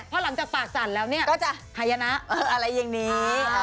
เพราะหลังจากปากสั่นแล้วก็จะหายนะอะไรอย่างนี้